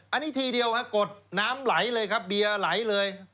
อันนี้ทีเดียวกดน้ำไหลเลยครับเบียร์ไหลเลย